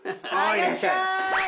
いらっしゃい！